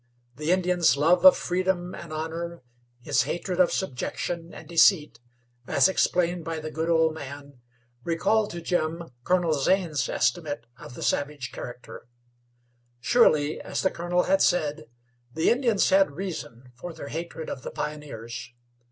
The Indian's love of freedom and honor, his hatred of subjection and deceit, as explained by the good old man, recalled to Jim Colonel Zane's estimate of the savage character. Surely, as the colonel had said, the Indians had reason for their hatred of the pioneers.